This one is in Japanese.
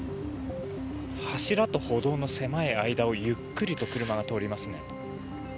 柱と歩道の狭い間をゆっくりと車が通りますね。